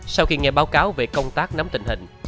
sau khi nghe báo cáo về công tác nắm tình hình